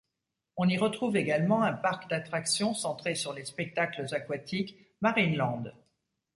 On y retrouve également un parc d'attractions centré sur les spectacles aquatiques, Marineland.